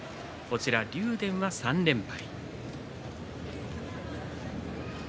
竜電は３連敗。